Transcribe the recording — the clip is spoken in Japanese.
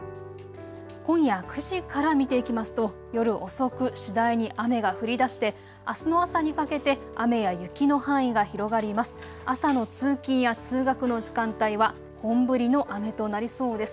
今夜９時から見ていきますと夜遅く、次第に雨が降りだしてあすの朝にかけて雨や雪の範囲が広がります。